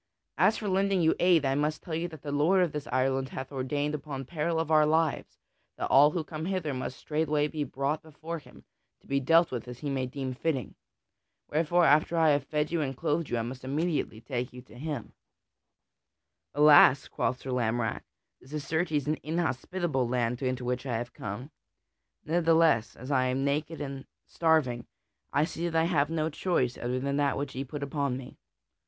As for lending you aid, I must tell you that the lord of this island hath ordained upon peril of our lives that all who come hither must straightway be brought before him to be dealt with as he may deem fitting. Wherefore, after I have fed you and clothed you I must immediately take you to him." [Sidenote: The fisher folk give Sir Lamorack clothes and food] "Alas!" quoth Sir Lamorack, "this is certes an inhospitable land into which I have come! Ne'ertheless, as I am naked and starving, I see that I have no choice other than that which ye put upon me."